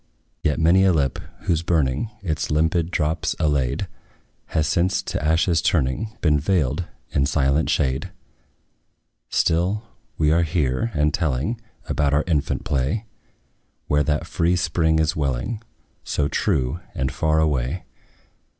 Yet many a lip, whose burning Its limpid drops allayed, Has since, to ashes turning, Been veiled in silent shade. Still we are here, and telling About our infant play; Where that free spring is welling, So true, and far away.